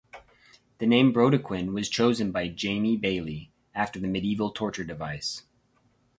The name Brodequin was chosen by Jamie Bailey, after the medieval torture device.